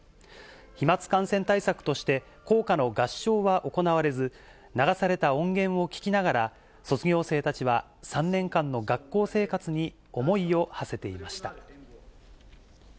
飛まつ感染対策として、校歌の合唱は行われず、流された音源を聴きながら、卒業生たちは３年間の学校生活に思いをはせていました。